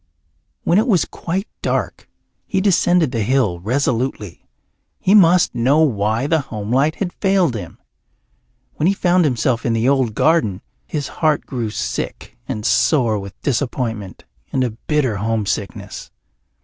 When it was quite dark he descended the hill resolutely. He must know why the homelight had failed him. When he found himself in the old garden his heart grew sick and sore with disappointment and a bitter homesickness.